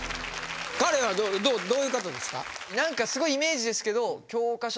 彼はどういう方ですか？